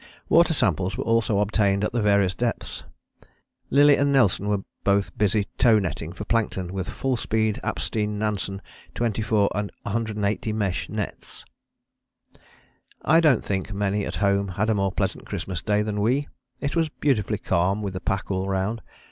Water samples were also obtained at the various depths. Lillie and Nelson were both busy tow netting for plankton with full speed, Apstein, Nansen, 24 and 180 mesh nets. I don't think many at home had a more pleasant Christmas Day than we. It was beautifully calm with the pack all round.